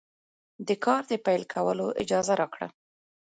د کار د پیل کولو اجازه راکړه.